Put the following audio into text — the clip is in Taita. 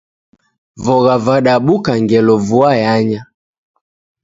Vogha vadabuka ngelo vua yanya